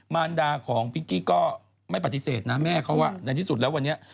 มารดาของพิงกี้ก็ไม่ปฏิเสธนะแม่เขาในที่สุดแล้ววันนี้